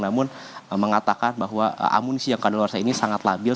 namun mengatakan bahwa amunisi yang kadal luar saya ini sangat labil